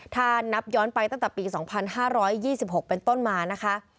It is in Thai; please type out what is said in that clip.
ถ้านับย้อนไปตั้งแต่ปี๒๕๒๖เป็นต้นมานะคะ